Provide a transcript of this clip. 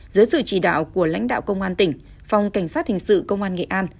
dưới sự chỉ đạo của lãnh đạo công an tỉnh phòng cảnh sát hình sự công an nghệ an